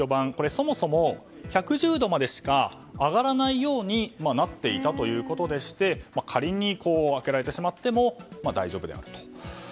そもそも１１０度までしか上がらないようになっていたということでして仮に開けられてしまっても大丈夫であると。